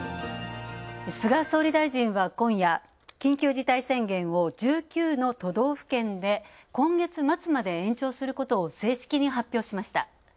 菅総理大臣は今夜、緊急事態宣言を１９の都道府県で今月末まで延長することを正式に発表しました。